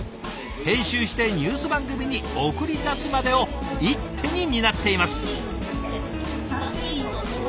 編集してニュース番組に送り出すまでを一手に担っています。